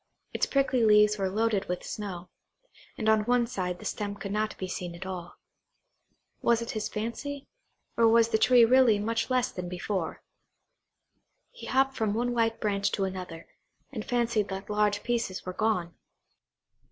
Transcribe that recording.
Its prickly leaves were loaded with snow, and on one side the stem could not be seen at all. Was it his fancy, or was the tree really much less than before? He hopped from one white branch to another, and fancied that large pieces were gone.